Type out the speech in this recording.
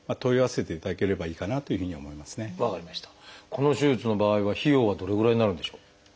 この手術の場合は費用はどれぐらいになるんでしょう？